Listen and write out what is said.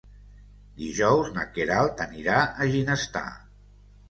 Dijous na Queralt anirà a Ginestar.